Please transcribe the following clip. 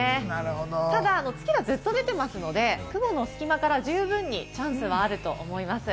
ただ月はずっと出てますので、雲の隙間から十分にチャンスはあると思います。